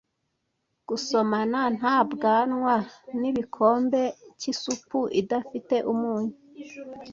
Gusomana nta bwanwa ni nkibikombe cyisupu idafite umunyu.